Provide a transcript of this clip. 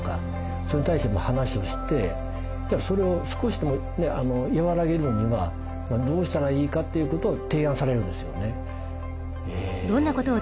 それに対しての話をしてそれを少しでも和らげるにはどうしたらいいかということを提案されるんですよね。